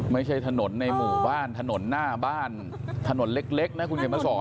ไม่ใช่ถนนในหมู่บ้านถนนหน้าบ้านถนนเล็กนะคุณเขียนมาสอน